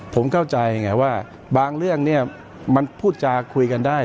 ผมเข้าใจไงว่าบางเรื่องเนี่ยมันพูดจาคุยกันได้